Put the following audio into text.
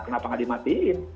kenapa tidak dimatikan